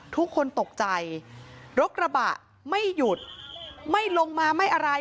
ทุกคนตกใจรถกระบะไม่หยุดไม่ลงมาไม่อะไร